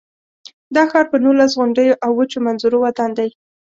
دا ښار پر نولس غونډیو او وچو منظرو ودان دی.